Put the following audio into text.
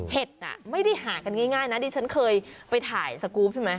ไม่ได้หากันง่ายนะดิฉันเคยไปถ่ายสกรูปใช่ไหม